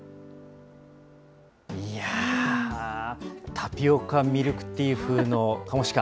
タピオカミルクティー風のカモシカ。